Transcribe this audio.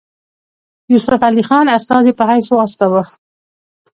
یوسف علي خان استازي په حیث واستاوه.